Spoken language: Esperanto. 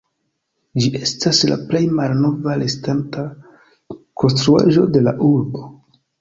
Ĝi estas la plej malnova restanta konstruaĵo de la urbo.